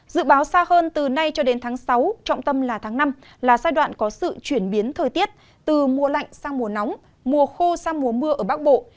dự báo xa hơn từ nay cho đến tháng sáu trọng tâm là tháng năm là giai đoạn có sự chuyển biến thời tiết từ mùa lạnh sang mùa nóng mùa khô sang mùa mưa ở bắc bộ